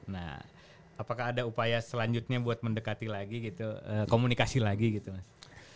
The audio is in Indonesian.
nah apakah ada upaya selanjutnya buat mendekati lagi gitu komunikasi lagi gitu mas